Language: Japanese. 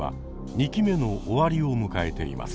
２期目の終わりを迎えています。